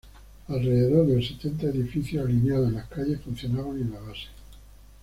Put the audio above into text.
Alrededor de setenta edificios alineados en las calles funcionaban en la base.